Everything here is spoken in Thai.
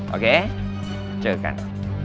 โอเคเจอกัน